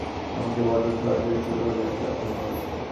কিন্তু আবারও দর্শকদের একটি অংশে বোতল ছোড়াছুড়ি শুরু হলে খেলা থেমে যায়।